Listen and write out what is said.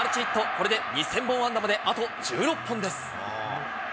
これで２０００本安打まで、あと１６本です。